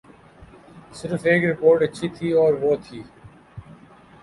صرف ایک رپورٹ اچھی تھی اور وہ تھی۔